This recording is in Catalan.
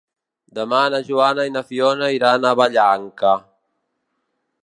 Demà na Joana i na Fiona iran a Vallanca.